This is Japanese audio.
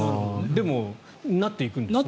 でも、なっていくんですね